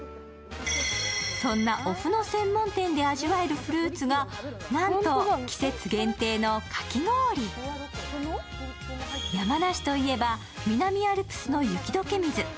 そんなお麩の専門店で味わえるフルーツが、なんと季節限定のかき氷山梨といえば、南アルプスの雪解け水。